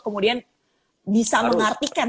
kemudian bisa mengartikan